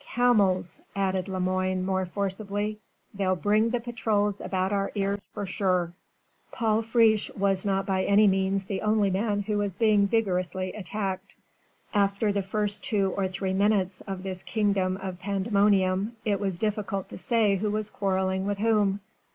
"Camels!" added Lemoine more forcibly. "They'll bring the patrols about our ears for sure." Paul Friche was not by any means the only man who was being vigorously attacked. After the first two or three minutes of this kingdom of pandemonium, it was difficult to say who was quarrelling with whom.